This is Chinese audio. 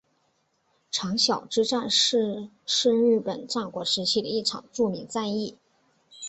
长筱之战是是日本战国时期的一场著名战役。